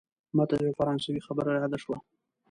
ماته د یوه فرانسوي خبره یاده شوه.